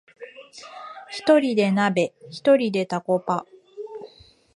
ひとりで鍋、ひとりでタコパ